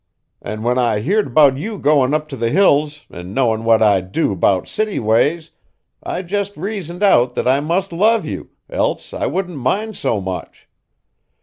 An' when I heerd 'bout you goin' up t' the Hills an' knowin' what I do 'bout city ways, I just reasoned out that I must love you, else I wouldn't mind so much.